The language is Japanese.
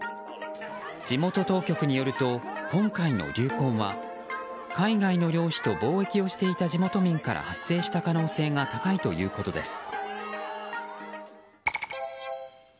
地元当局によると、今回の流行は海外の漁師と貿易をしていた地元民から発生した可能性が高いということです。